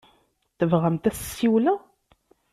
Tebɣamt ad as-ssiwleɣ?